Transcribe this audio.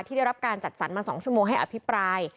ได้รับการจัดสรรมา๒ชั่วโมงให้อภิปราย